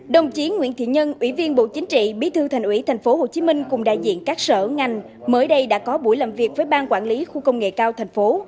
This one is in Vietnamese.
đồng chí nguyễn thị nhân ủy viên bộ chính trị bí thư thành ủy tp hcm cùng đại diện các sở ngành mới đây đã có buổi làm việc với ban quản lý khu công nghệ cao thành phố